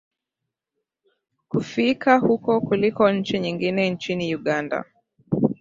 kufiika huko kuliko nchi nyingine Nchini Uganda